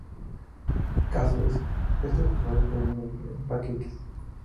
Caso: "Estos frijoles provienen del empaque X".